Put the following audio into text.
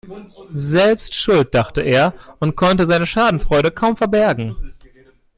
"Selbst schuld", dachte er und konnte seine Schadenfreude kaum verbergen.